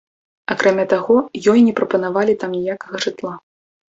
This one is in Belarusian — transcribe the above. Акрамя таго, ёй не прапанавалі там ніякага жытла.